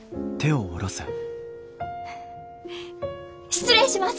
失礼します！